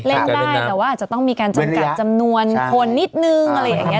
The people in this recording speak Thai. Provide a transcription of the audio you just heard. เล่นได้แต่ว่าอาจจะต้องมีการจำกัดจำนวนคนนิดนึงอะไรอย่างนี้